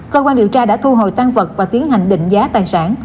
cơ quan điều tra đã thu hồi tăng vật và tiến hành định giá tài sản